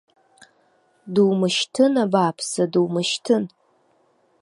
Думышьҭын, абааԥсы, думышьҭын!